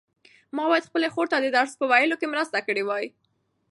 ما باید خپلې خور ته د درس په ویلو کې مرسته کړې وای.